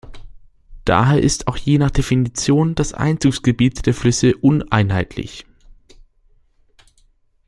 Daher ist auch je nach Definition das Einzugsgebiet der Flüsse uneinheitlich.